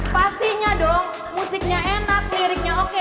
pastinya dong musiknya enak liriknya oke